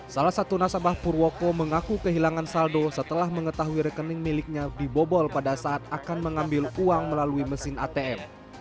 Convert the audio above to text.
salah satu nasabah purwoko mengaku kehilangan saldo setelah mengetahui rekening miliknya dibobol pada saat akan mengambil uang melalui mesin atm